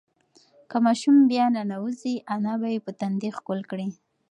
که ماشوم بیا ننوځي، انا به یې په تندي ښکل کړي.